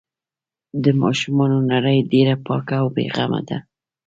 د ماشومانو نړۍ ډېره پاکه او بې غمه ده.